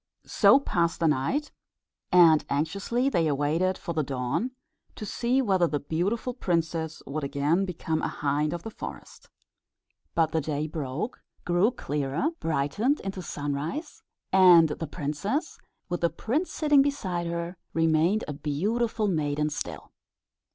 So passed the night; and anxiously they awaited for the dawn, to see whether the beautiful princess would again become a hind of the forest. But the day broke, grew clearer, brightened into sunrise, and the princess, with the prince sitting beside her, remained a beautiful maiden still.